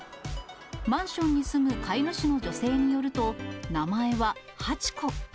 マンションに住む飼い主の女性によると、名前は、はちこ。